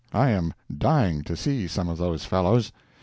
I am dying to see some of those fellows!